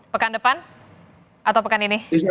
pekan depan atau pekan ini